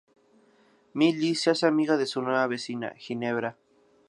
Milly se hace amiga de su nueva vecina, Ginebra.